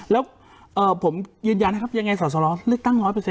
แล้วผมยืนยันนะครับยังไงสอสรเลือกตั้ง๑๐๐